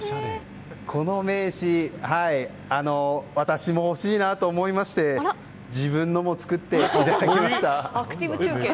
この名刺私も欲しいなと思いまして自分のも作ってもらっちゃいました。